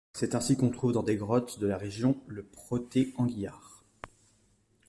C'est ainsi qu'on trouve dans des grottes de la région le protée anguillard.